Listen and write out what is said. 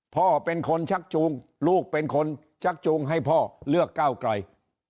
พ่อเป็นคนชักจูงลูกเป็นคนชักจูงให้พ่อเลือกก้าวไกล